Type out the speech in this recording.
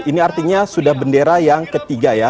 ini artinya sudah bendera yang ketiga ya